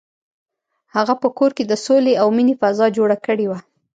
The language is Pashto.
هغه په کور کې د سولې او مینې فضا جوړه کړې وه.